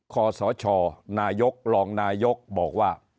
ขชนรนยบอกว่า